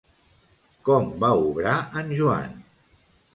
Com va obrar en Joan?